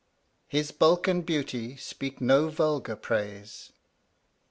] "His bulk and beauty speak no vulgar praise.